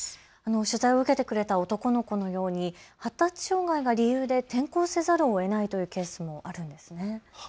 取材を受けてくれた男の子のように発達障害が理由で転校せざるをえないというケースもあるんですね。